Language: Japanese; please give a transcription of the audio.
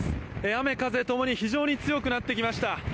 雨風共に非常に強くなってきました。